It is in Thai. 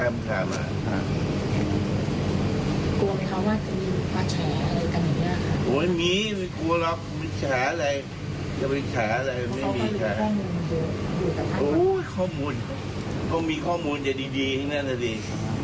ไม่มีข้อมูลโอ้โหข้อมูลก็มีข้อมูลจะดีที่นั่นจะดี